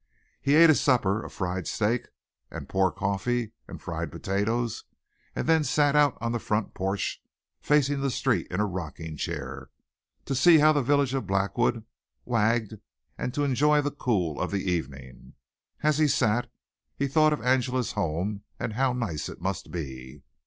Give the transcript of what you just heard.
He ate his supper of fried steak and poor coffee and fried potatoes and then sat out on the front porch facing the street in a rocking chair, to see how the village of Blackwood wagged and to enjoy the cool of the evening. As he sat he thought of Angela's home and how nice it must be.